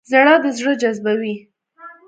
زړه د زړه جذبوي.